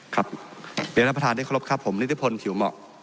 ครับเบียร์ท่านประธานที่เคารพครับผมนิตยภนขิวเหมาะ